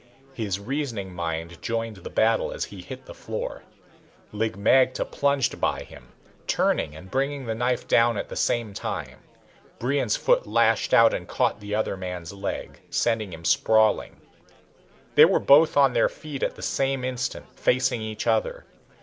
His reasoning mind joined the battle as he hit the floor. Lig magte plunged by him, turning and bringing the knife down at the same time. Brion's foot lashed out and caught the other man's leg, sending him sprawling. They were both on their feet at the same instant, facing each other.